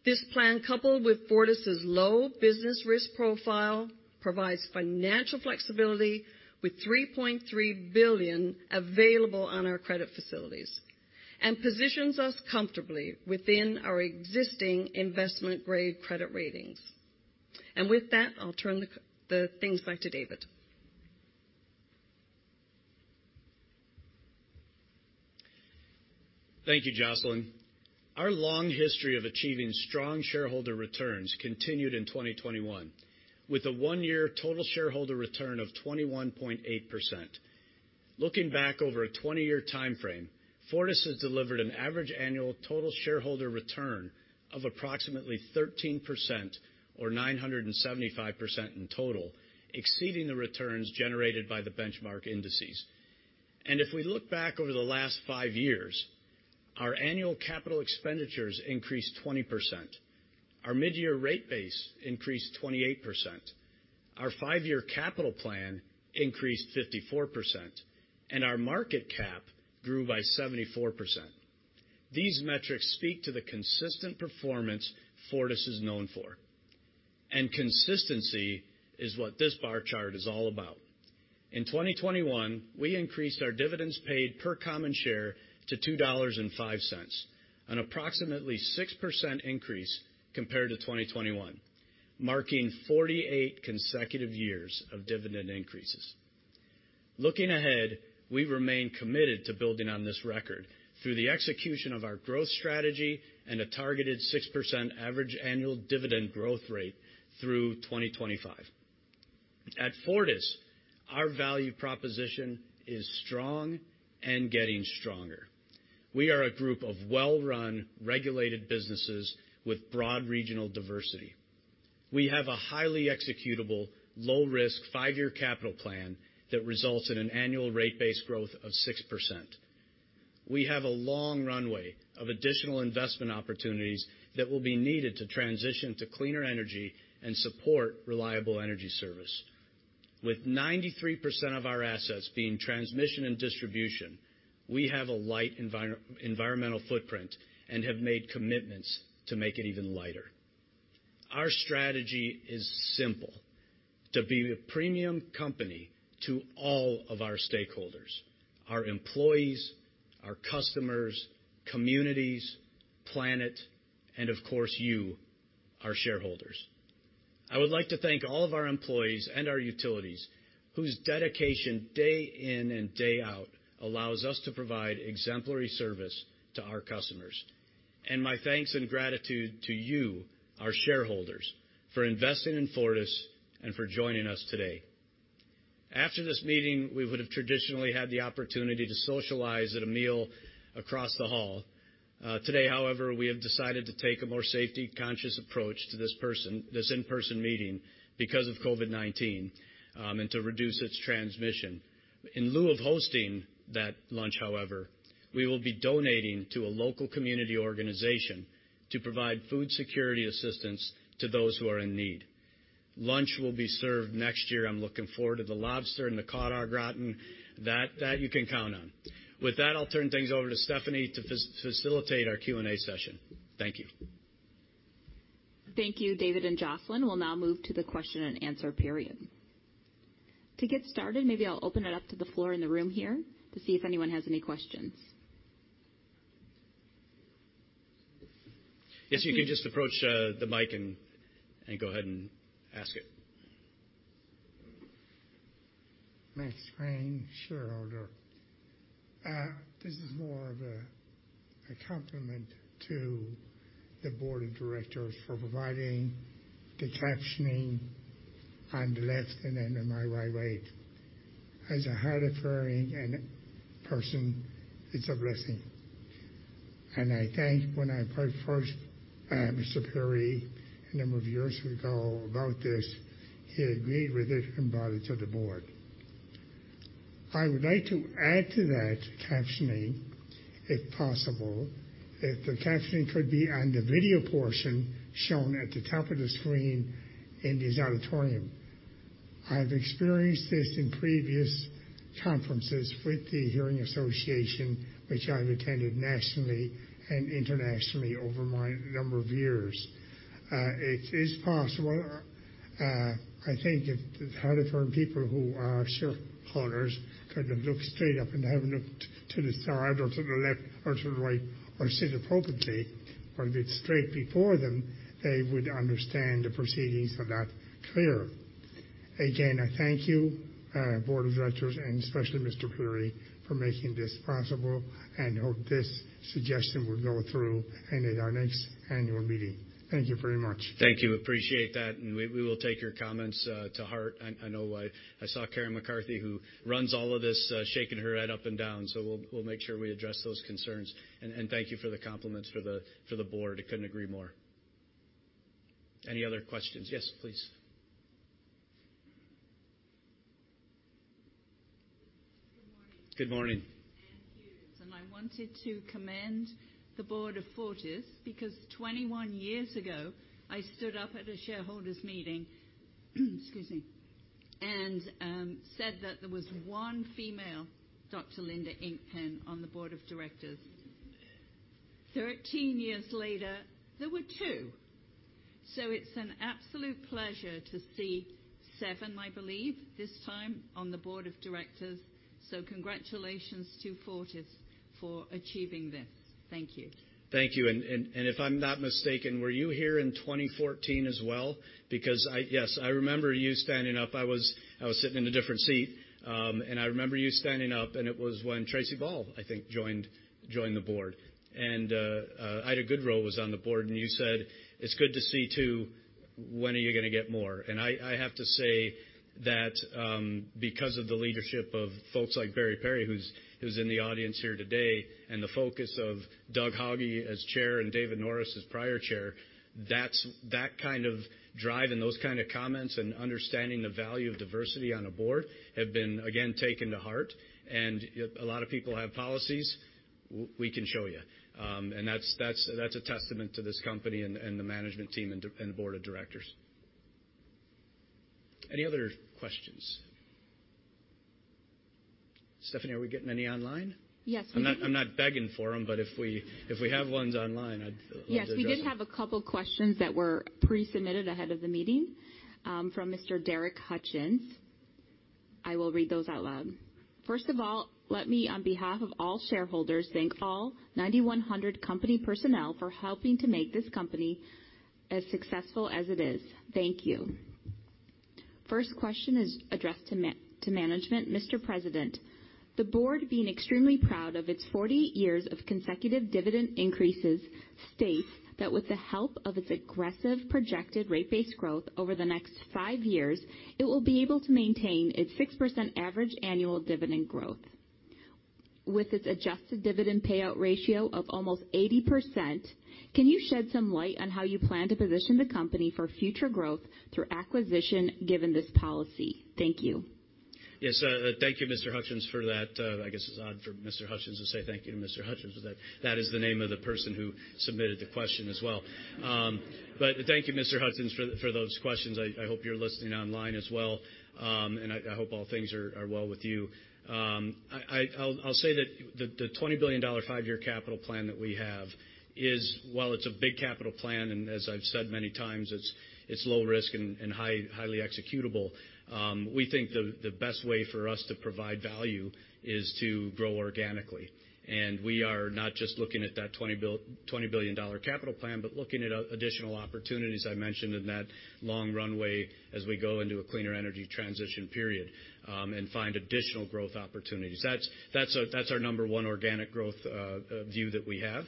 This plan, coupled with Fortis' low business risk profile, provides financial flexibility with 3.3 billion available on our credit facilities and positions us comfortably within our existing investment-grade credit ratings. With that, I'll turn the call back to David. Thank you, Jocelyn. Our long history of achieving strong shareholder returns continued in 2021, with a 1-year total shareholder return of 21.8%. Looking back over a 20-year timeframe, Fortis has delivered an average annual total shareholder return of approximately 13% or 975% in total, exceeding the returns generated by the benchmark indices. If we look back over the last 5 years, our annual capital expenditures increased 20%. Our mid-year rate base increased 28%. Our 5-year capital plan increased 54%, and our market cap grew by 74%. These metrics speak to the consistent performance Fortis is known for. Consistency is what this bar chart is all about. In 2021, we increased our dividends paid per common share to 2.05 dollars, an approximately 6% increase compared to 2020, marking 48 consecutive years of dividend increases. Looking ahead, we remain committed to building on this record through the execution of our growth strategy and a targeted 6% average annual dividend growth rate through 2025. At Fortis, our value proposition is strong and getting stronger. We are a group of well-run, regulated businesses with broad regional diversity. We have a highly executable, low risk, 5-year capital plan that results in an annual rate base growth of 6%. We have a long runway of additional investment opportunities that will be needed to transition to cleaner energy and support reliable energy service. With 93% of our assets being transmission and distribution, we have a light environmental footprint and have made commitments to make it even lighter. Our strategy is simple: to be a premium company to all of our stakeholders, our employees, our customers, communities, planet, and of course you, our shareholders. I would like to thank all of our employees and our utilities, whose dedication day in and day out allows us to provide exemplary service to our customers. My thanks and gratitude to you, our shareholders, for investing in Fortis and for joining us today. After this meeting, we would have traditionally had the opportunity to socialize at a meal across the hall. Today, however, we have decided to take a more safety-conscious approach to this in-person meeting because of COVID-19, and to reduce its transmission. In lieu of hosting that lunch, however, we will be donating to a local community organization to provide food security assistance to those who are in need. Lunch will be served next year. I'm looking forward to the lobster and the cod au gratin. That you can count on. With that, I'll turn things over to Stephanie to facilitate our Q&A session. Thank you. Thank you, David and Jocelyn. We'll now move to the question-and-answer period. To get started, maybe I'll open it up to the floor in the room here to see if anyone has any questions. Yes, you can just approach the mic and go ahead and ask it. Max Crane, shareholder. This is more of a compliment to the board of directors for providing the captioning on the left and then on my right way. As a hard of hearing and person, it's a blessing. I thank when I approached Mr. Perry a number of years ago about this, he agreed with it and brought it to the board. I would like to add to that captioning, if possible, if the captioning could be on the video portion shown at the top of the screen in this auditorium. I have experienced this in previous conferences with the Hearing Association, which I've attended nationally and internationally over my number of years. It is possible, I think if the hard of hearing people who are shareholders couldn't look straight up and have a look to the side or to the left or to the right or sit appropriately, or if it's straight before them, they would understand the proceedings a lot clearer. Again, I thank you, board of directors, and especially Mr. Perry, for making this possible, and hope this suggestion will go through and at our next annual meeting. Thank you very much. Thank you. Appreciate that. We will take your comments to heart. I know I saw Karen McCarthy, who runs all of this, shaking her head up and down. We'll make sure we address those concerns. Thank you for the compliments for the board. I couldn't agree more. Any other questions? Yes, please. Good morning. Good morning. Ann Hughes, I wanted to commend the Board of Fortis because 21 years ago, I stood up at a shareholders meeting, excuse me, and said that there was one female, Dr. Linda Inkpen, on the board of directors. 13 years later, there were two. It's an absolute pleasure to see 7, I believe, this time on the board of directors. Congratulations to Fortis for achieving this. Thank you. Thank you. If I'm not mistaken, were you here in 2014 as well? Because yes, I remember you standing up. I was sitting in a different seat, and I remember you standing up, and it was when Tracey Ball, I think, joined the board. Ida Goodreau was on the board, and you said, "It's good to see two. When are you gonna get more?" I have to say that, because of the leadership of folks like Barry Perry, who's in the audience here today, and the focus of Douglas Haughey as chair and David Norris as prior chair, that kind of drive and those kind of comments and understanding the value of diversity on a board have been, again, taken to heart. A lot of people have policies, we can show you. That's a testament to this company and the management team and the board of directors. Any other questions? Stephanie, are we getting any online? Yes, we do. I'm not begging for them, but if we have ones online, I'd love to address them. Yes, we did have a couple questions that were pre-submitted ahead of the meeting, from Mr. Derek Hutchens. I will read those out loud. First of all, let me on behalf of all shareholders thank all 9,100 company personnel for helping to make this company as successful as it is. Thank you. First question is addressed to management. Mr. President, the board being extremely proud of its 40 years of consecutive dividend increases states that with the help of its aggressive projected rate-based growth over the next 5 years, it will be able to maintain its 6% average annual dividend growth. With its adjusted dividend payout ratio of almost 80%, can you shed some light on how you plan to position the company for future growth through acquisition given this policy? Thank you. Yes. Thank you, Mr. Hutchens, for that. I guess it's odd for Mr. Hutchens to say thank you to Mr. Hutchens, but that is the name of the person who submitted the question as well. But thank you, Mr. Hutchens, for those questions. I hope you're listening online as well. I hope all things are well with you. I'll say that the 20 billion dollar five-year capital plan that we have is. While it's a big capital plan, and as I've said many times, it's low risk and highly executable, we think the best way for us to provide value is to grow organically. We are not just looking at that 20 billion-dollar capital plan, but looking at additional opportunities I mentioned in that long runway as we go into a cleaner energy transition period, and find additional growth opportunities. That's our number one organic growth view that we have,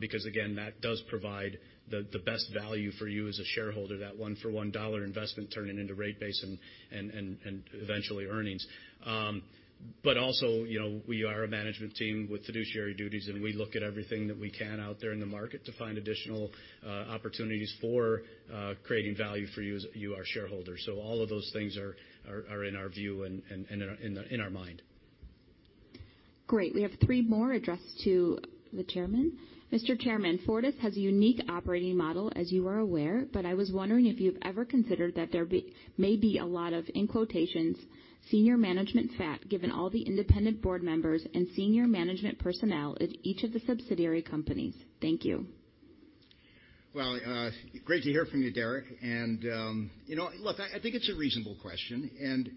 because again, that does provide the best value for you as a shareholder, that 1-for-1 dollar investment turning into rate base and eventually earnings. But also, you know, we are a management team with fiduciary duties, and we look at everything that we can out there in the market to find additional opportunities for creating value for you as shareholders. All of those things are in our view and in our mind. Great. We have three more addressed to the chairman. Mr. Chairman, Fortis has a unique operating model, as you are aware, but I was wondering if you've ever considered that there may be a lot of, in quotations, senior management fat, given all the independent board members and senior management personnel at each of the subsidiary companies. Thank you. Well, great to hear from you, Derek. You know what? Look, I think it's a reasonable question.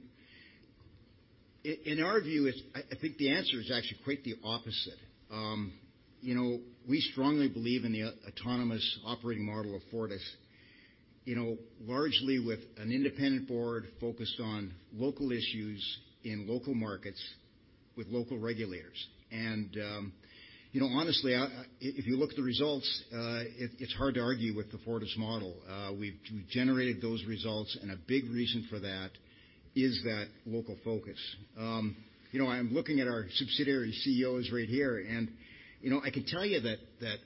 In our view, I think the answer is actually quite the opposite. You know, we strongly believe in the autonomous operating model of Fortis. You know, largely with an independent board focused on local issues in local markets with local regulators. You know, honestly, if you look at the results, it's hard to argue with the Fortis model. We've generated those results, and a big reason for that is that local focus. You know, I'm looking at our subsidiary CEOs right here, and you know, I can tell you that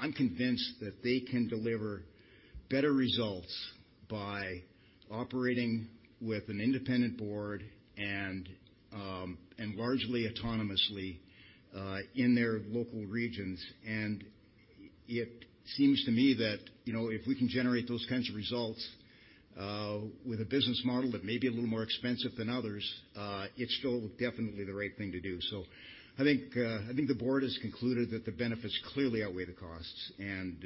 I'm convinced that they can deliver better results by operating with an independent board and largely autonomously in their local regions. It seems to me that, you know, if we can generate those kinds of results with a business model that may be a little more expensive than others, it's still definitely the right thing to do. I think the board has concluded that the benefits clearly outweigh the costs, and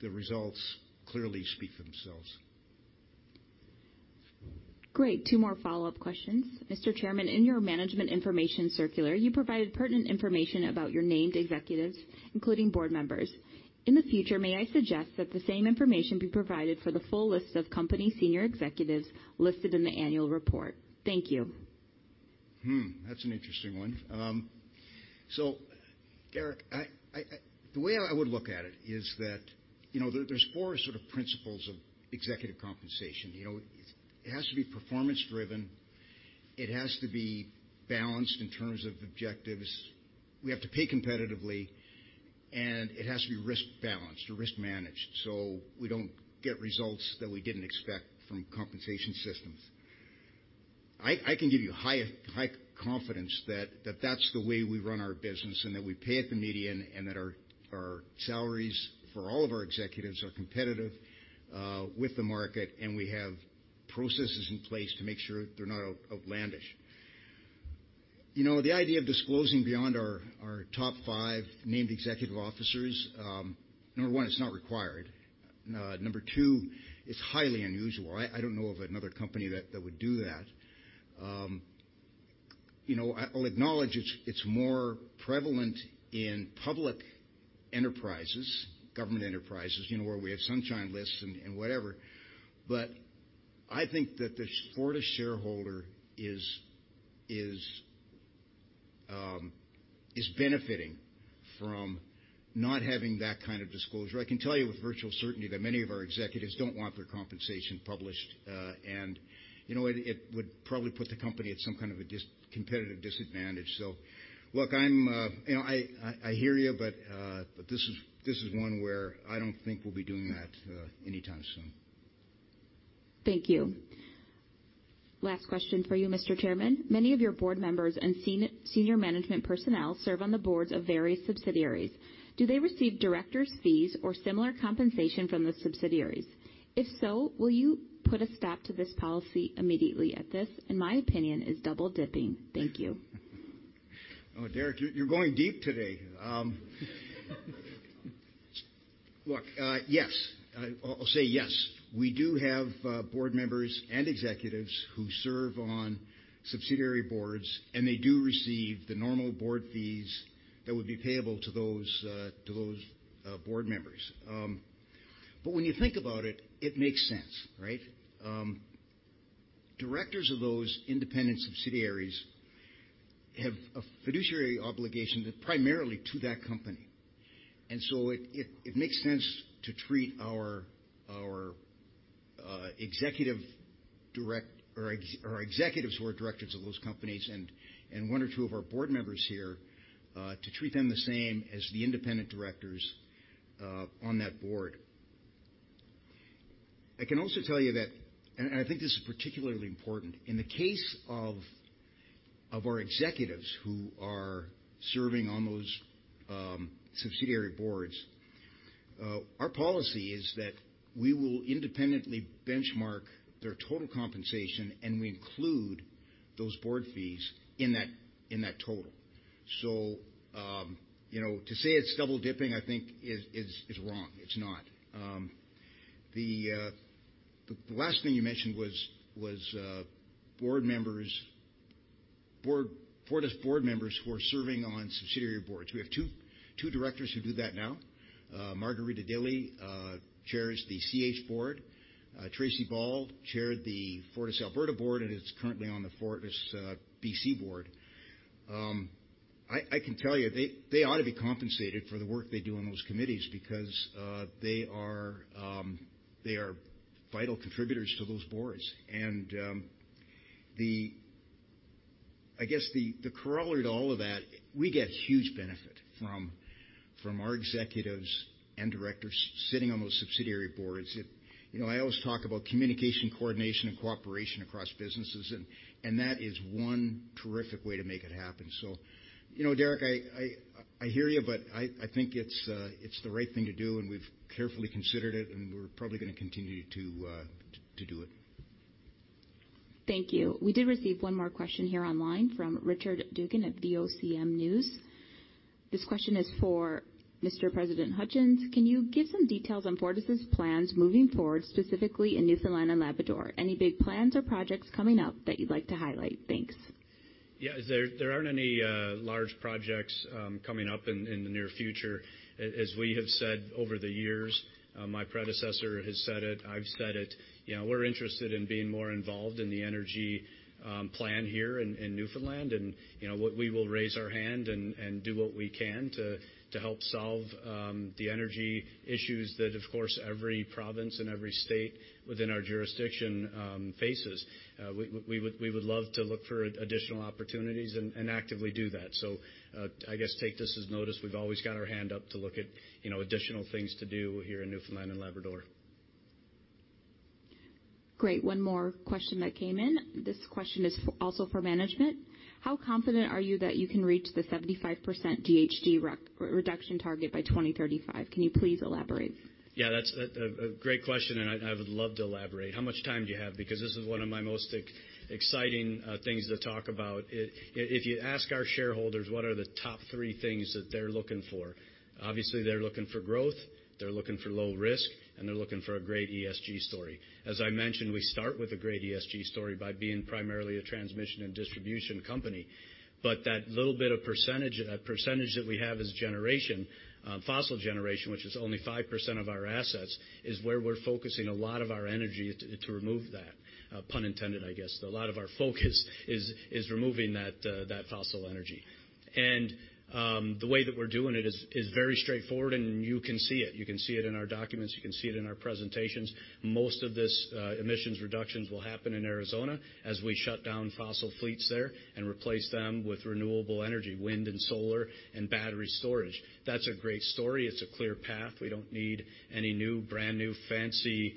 the results clearly speak for themselves. Great. Two more follow-up questions. Mr. Chairman, in your management information circular, you provided pertinent information about your named executives, including board members. In the future, may I suggest that the same information be provided for the full list of company senior executives listed in the annual report? Thank you. That's an interesting one. So Derek, the way I would look at it is that, you know, there's four sort of principles of executive compensation. You know, it has to be performance driven, it has to be balanced in terms of objectives. We have to pay competitively, and it has to be risk balanced or risk managed, so we don't get results that we didn't expect from compensation systems. I can give you high confidence that that's the way we run our business, and that we pay at the median, and that our salaries for all of our executives are competitive with the market, and we have processes in place to make sure they're not outlandish. You know, the idea of disclosing beyond our top five named executive officers, number one, it's not required. Number two, it's highly unusual. I don't know of another company that would do that. You know, I'll acknowledge it's more prevalent in public enterprises, government enterprises, you know, where we have sunshine lists and whatever. I think that the Fortis shareholder is benefiting from not having that kind of disclosure. I can tell you with virtual certainty that many of our executives don't want their compensation published. You know, it would probably put the company at some kind of a competitive disadvantage. Look, I'm you know, I hear you, but this is one where I don't think we'll be doing that anytime soon. Thank you. Last question for you, Mr. Chairman. Many of your board members and senior management personnel serve on the boards of various subsidiaries. Do they receive directors' fees or similar compensation from the subsidiaries? If so, will you put a stop to this policy immediately at this? In my opinion, it's double-dipping. Thank you. Oh, Derek, you're going deep today. Look, yes. I'll say yes. We do have board members and executives who serve on subsidiary boards, and they do receive the normal board fees that would be payable to those board members. When you think about it makes sense, right? Directors of those independent subsidiaries have a fiduciary obligation primarily to that company. It makes sense to treat our executives who are directors of those companies and one or two of our board members here to treat them the same as the independent directors on that board. I can also tell you that, and I think this is particularly important, in the case of our executives who are serving on those subsidiary boards, our policy is that we will independently benchmark their total compensation, and we include those board fees in that total. You know, to say it's double-dipping, I think is wrong. It's not. The last thing you mentioned was board members. Fortis board members who are serving on subsidiary boards. We have two directors who do that now. Margarita Dilley chairs the Central Hudson board. Tracey Ball chaired the FortisAlberta board and is currently on the FortisBC board. I can tell you, they ought to be compensated for the work they do on those committees because they are vital contributors to those boards. I guess the corollary to all of that, we get huge benefit from our executives and directors sitting on those subsidiary boards. You know, I always talk about communication, coordination and cooperation across businesses and that is one terrific way to make it happen. You know, Derek Hutchens, I hear you, but I think it's the right thing to do, and we've carefully considered it, and we're probably gonna continue to do it. Thank you. We did receive one more question here online from Richard Duggan of VOCM News. This question is for Mr. President Hutchens. Can you give some details on Fortis' plans moving forward, specifically in Newfoundland and Labrador? Any big plans or projects coming up that you'd like to highlight? Thanks. Yeah. There aren't any large projects coming up in the near future. As we have said over the years, my predecessor has said it, I've said it, you know, we're interested in being more involved in the energy plan here in Newfoundland. You know, we will raise our hand and do what we can to help solve the energy issues that, of course, every province and every state within our jurisdiction faces. We would love to look for additional opportunities and actively do that. I guess take this as notice. We've always got our hand up to look at, you know, additional things to do here in Newfoundland and Labrador. Great. One more question that came in. This question is also for management. How confident are you that you can reach the 75% GHG reduction target by 2035? Can you please elaborate? Yeah, that's a great question, and I would love to elaborate. How much time do you have? Because this is one of my most exciting things to talk about. If you ask our shareholders what are the top three things that they're looking for, obviously they're looking for growth, they're looking for low risk, and they're looking for a great ESG story. As I mentioned, we start with a great ESG story by being primarily a transmission and distribution company. That little bit of percentage, that percentage that we have as generation, fossil generation, which is only 5% of our assets, is where we're focusing a lot of our energy to remove that. Pun intended, I guess. A lot of our focus is removing that fossil energy. The way that we're doing it is very straightforward and you can see it. You can see it in our documents. You can see it in our presentations. Most of this emissions reductions will happen in Arizona as we shut down fossil fleets there and replace them with renewable energy, wind and solar and battery storage. That's a great story. It's a clear path. We don't need any new, brand-new fancy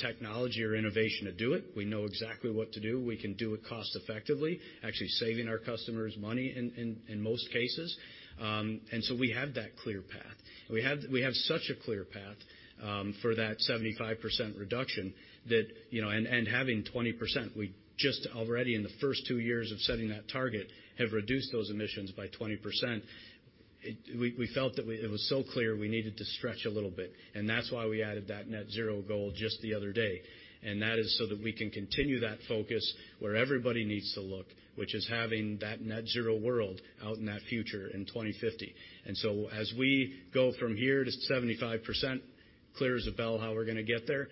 technology or innovation to do it. We know exactly what to do. We can do it cost-effectively, actually saving our customers money in most cases. We have that clear path. We have such a clear path for that 75% reduction that, you know, and having 20%, we just already in the first two years of setting that target have reduced those emissions by 20%. We felt that it was so clear we needed to stretch a little bit, and that's why we added that net zero goal just the other day. That is so that we can continue that focus where everybody needs to look, which is having that net zero world out in that future in 2050. As we go from here to 75%, clear as a bell how we're gonna get there,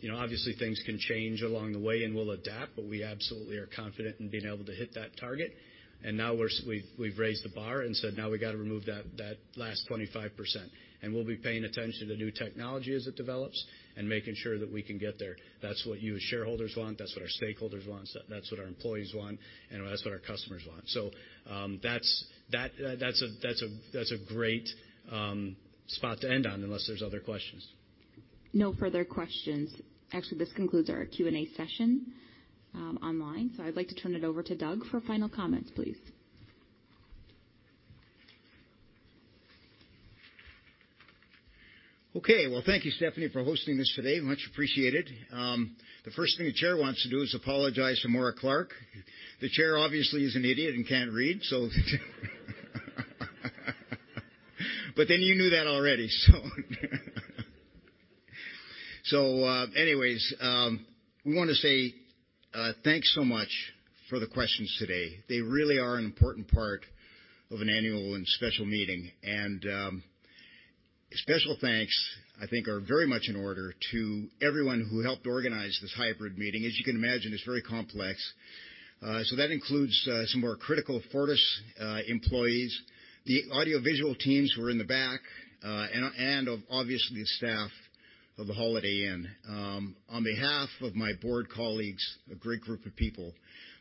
you know, obviously things can change along the way and we'll adapt, but we absolutely are confident in being able to hit that target. Now we've raised the bar and said, now we gotta remove that last 25%. We'll be paying attention to new technology as it develops and making sure that we can get there. That's what you as shareholders want. That's what our stakeholders want. That's what our employees want, and that's what our customers want. That's a great spot to end on unless there's other questions. No further questions. Actually, this concludes our Q&A session, online, so I'd like to turn it over to Doug for final comments, please. Okay. Well, thank you, Stephanie, for hosting this today. Much appreciated. The first thing the chair wants to do is apologize to Maura Clark. The chair obviously is an idiot and can't read. But then you knew that already. Anyways, we wanna say thanks so much for the questions today. They really are an important part of an annual and special meeting. Special thanks, I think are very much in order to everyone who helped organize this hybrid meeting. As you can imagine, it's very complex. That includes some more critical Fortis employees, the audiovisual teams who are in the back, and obviously the staff of the Holiday Inn. On behalf of my board colleagues, a great group of people,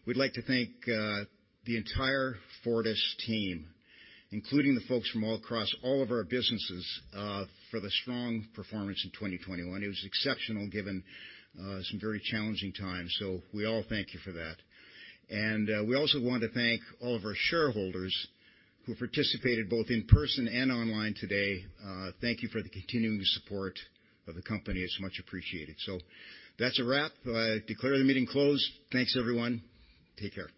we'd like to thank the entire Fortis team, including the folks from all across all of our businesses, for the strong performance in 2021. It was exceptional given some very challenging times. We all thank you for that. We also want to thank all of our shareholders who participated both in person and online today. Thank you for the continuing support of the company. It's much appreciated. That's a wrap. I declare the meeting closed. Thanks, everyone. Take care.